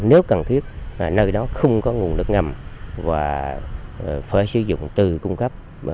nếu cần thiết nơi đó không có nguồn nước ngầm và phải sử dụng từ cung cấp